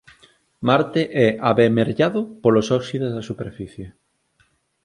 Marte é avermellado polos óxidos da superficie